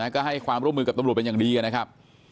ก็ให้ความร่วมมือกับตำรวจเป็นอย่างดีนะครับ